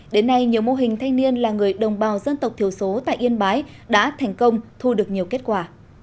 đến nay nhiều mô hình thanh niên là người đồng bào dân tộc thiểu số tại yên bái đã thành công thu được nhiều kết quả